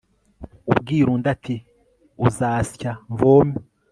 ubwira undi ati, uzasya mvome